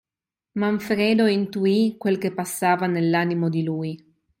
Manfredo intuì quel che passava nell'animo di lui.